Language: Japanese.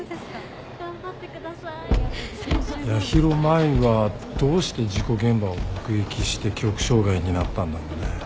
八尋舞はどうして事故現場を目撃して記憶障害になったんだろうね？